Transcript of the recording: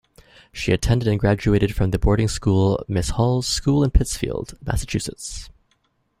She attended and graduated from the boarding school Miss Hall's School in Pittsfield, Massachusetts.